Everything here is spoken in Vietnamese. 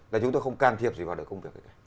là chúng tôi không can thiệp gì vào được công việc